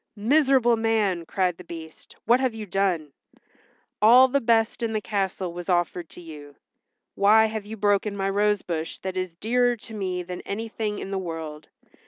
"Miserable man!" cried the Beast, "what have you done? All the best in the castle was offered to you. Why have you broken my rose bush that is dearer to me than anything in the world?